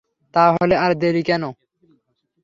তা হলে আর দেরি কেন।